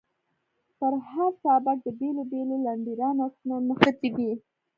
پر هر پاټک د بېلو بېلو ليډرانو عکسونه مښتي دي.